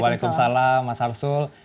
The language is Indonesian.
waalaikumsalam mas arsul